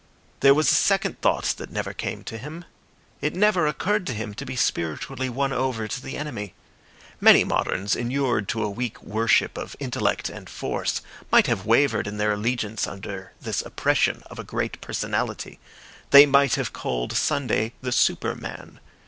There was a second thought that never came to him. It never occurred to him to be spiritually won over to the enemy. Many moderns, inured to a weak worship of intellect and force, might have wavered in their allegiance under this oppression of a great personality. They might have called Sunday the super man.